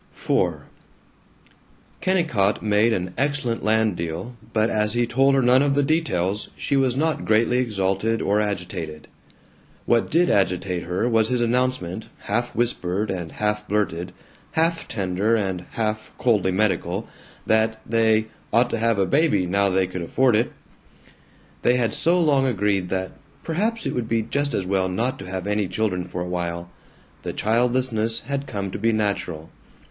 IV Kennicott made an excellent land deal, but as he told her none of the details, she was not greatly exalted or agitated. What did agitate her was his announcement, half whispered and half blurted, half tender and half coldly medical, that they "ought to have a baby, now they could afford it." They had so long agreed that "perhaps it would be just as well not to have any children for a while yet," that childlessness had come to be natural.